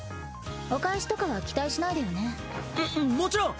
お返しとかは期待しないでよね。ももちろん。